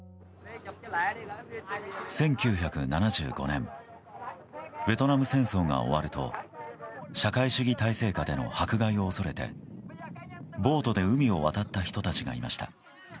１９７５年ベトナム戦争が終わると社会主義体制下での迫害を恐れてボートで海を渡った人たちがいました。